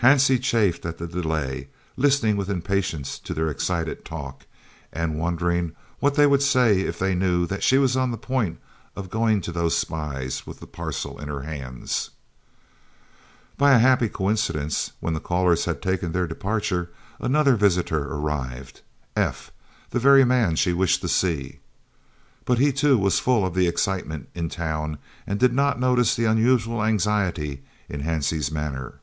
Hansie chafed at the delay, listening with impatience to their excited talk, and wondering what they would say if they knew that she was on the point of going to those spies with the parcel in her hands. By a happy coincidence, when the callers had taken their departure, another visitor arrived F., the very man she wished to see. But he, too, was full of the excitement in town and did not notice the unusual anxiety in Hansie's manner.